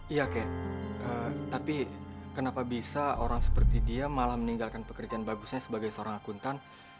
iya kek tapi kenapa bisa orang seperti dia malah meninggalkan pekerjaan bagusnya sebagai seorang akuntan